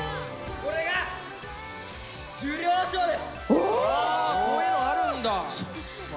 こういうのあるんだ。